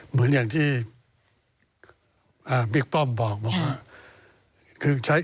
เหมือนอย่างที่บิ๊กป้อมบอกว่า